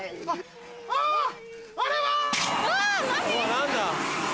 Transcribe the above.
何だ？